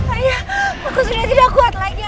ayah aku sudah tidak kuat lagi